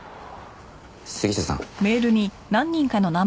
杉下さん。